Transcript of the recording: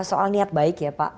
soal niat baik ya pak